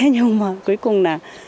nhưng mà cuối cùng là